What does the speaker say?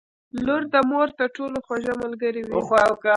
• لور د مور تر ټولو خوږه ملګرې وي.